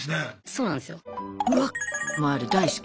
そうなんすよ。